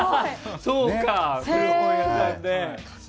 そうか、古本屋さんで。